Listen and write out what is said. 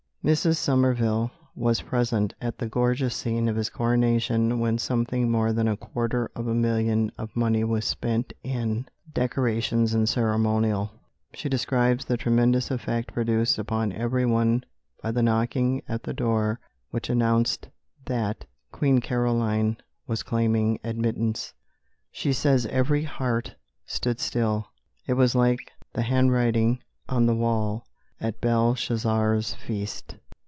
Mrs. Somerville was present at the gorgeous scene of his coronation, when something more than a quarter of a million of money was spent in decorations and ceremonial. She describes the tremendous effect produced upon every one by the knocking at the door which announced that Queen Caroline was claiming admittance. She says every heart stood still; it was like the handwriting on the wall at Belshazzar's feast.